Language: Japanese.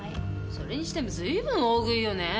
それにしても随分と大食いよねえ。